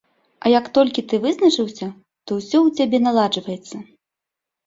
А як толькі ты вызначыўся, то ўсё ў цябе наладжваецца.